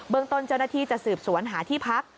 ตนเจ้าหน้าที่จะสืบสวนหาที่พัก